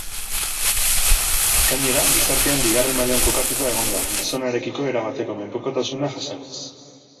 Gainera, gizartean bigarren mailan kokatuta egon da, gizonarekiko erabateko menpekotasuna jasanez.